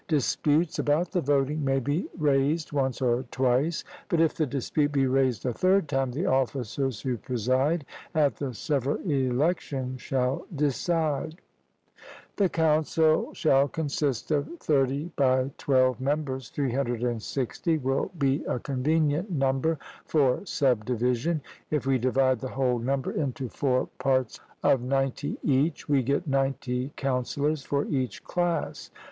Disputes about the voting may be raised once or twice; but if the dispute be raised a third time, the officers who preside at the several elections shall decide. The council shall consist of 30 x 12 members 360 will be a convenient number for sub division. If we divide the whole number into four parts of ninety each, we get ninety counsellors for each class.